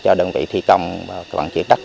cho đơn vị thi công bằng chuyện đất